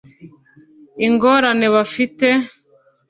ingorane bafite.